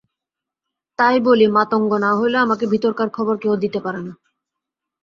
তাই বলি, মাতঙ্গ না হইলে আমাকে ভিতরকার খবর কেহ দিতে পারে না।